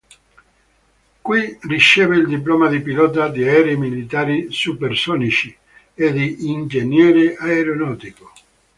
Qui riceve il diploma di pilota di aerei militari supersonici e di ingegnere aeronautico.